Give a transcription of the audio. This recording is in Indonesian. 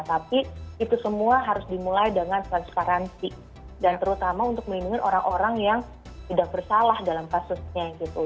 tapi itu semua harus dimulai dengan transparansi dan terutama untuk melindungi orang orang yang tidak bersalah dalam kasusnya gitu